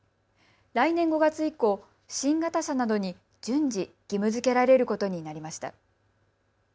来年５月以降、新型車などに順次義務づけられることになりました。